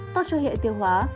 tốt cho hệ tiêu hóa